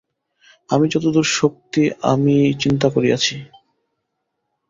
আমার যতদূর শক্তি আমি চিন্তা করিয়াছি।